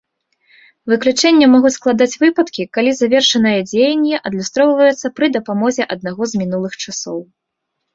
Выключэнне могуць складаць выпадкі, калі завершанае дзеянне адлюстроўваецца пры дапамозе аднаго з мінулых часоў.